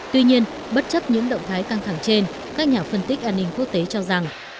tuy nhiên bất chấp những động thái căng thẳng trên các nhà phân tích an ninh quốc tế cho rằng